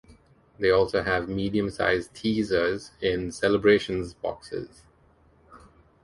They also have medium-sized "teasers" in Celebrations boxes.